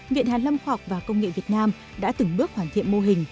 viện hàn lâm khoa học và công nghệ việt nam đã từng bước hoàn thiện mô hình